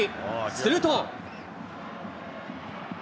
すると。